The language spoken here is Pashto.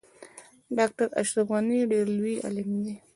ډاکټر اشرف غنی ډیر لوی عالم دی